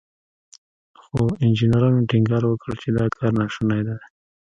خو انجنيرانو ټينګار وکړ چې دا کار ناشونی دی.